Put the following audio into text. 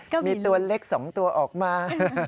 ก็มีตัวเล็กสองตัวออกมา